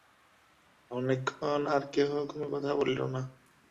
অনেকক্ষণ আর কেহ কোনো কথা কহিল না।